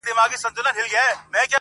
o ته له هره دِلستانه دِلستانه ښایسته یې,